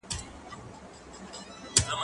زه به سبا سينه سپين کوم!!